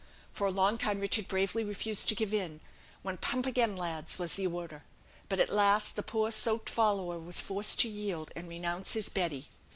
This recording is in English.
For a long time Richard bravely refused to give in; when "Pump again, lads!" was the order. But, at last, the poor soaked "follower" was forced to yield, and renounce his Betty.